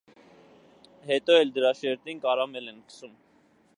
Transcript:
Հետո էլ դրա շերտին կարամել են քսում։